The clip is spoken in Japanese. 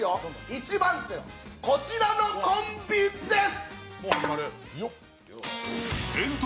一番手、こちらのコンビです。